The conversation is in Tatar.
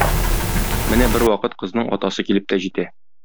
Менә бервакыт кызның атасы килеп тә җитә.